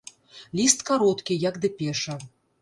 Ліст кароткі, як дэпеша.